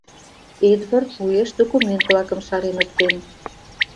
Эдвард уэш документ-влакым шарен оптен.